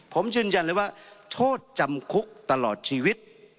ผมยืนยันเลยว่าโทษจำคุกตลอดชีวิต